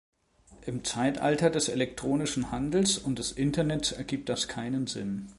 Im Zeitalter des elektronischen Handels und des Internets ergibt das keinen Sinn.